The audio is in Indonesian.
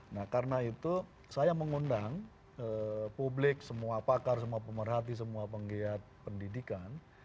nah karena itu saya mengundang publik semua pakar semua pemerhati semua penggiat pendidikan